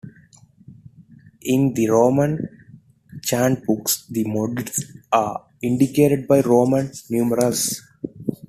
In the Roman Chantbooks the modes are indicated by Roman numerals.